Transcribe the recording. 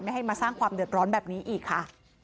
ให้มาสร้างความเดือดร้อนแบบนี้อีกค่ะ